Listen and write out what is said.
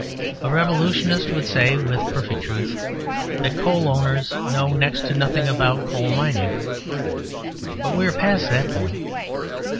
A revolutionist would say (with perfect truth) that coal owners know next to nothing about coal mining. But we are past that point.